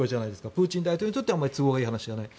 プーチン大統領にとってはあまり都合がいい話ではない。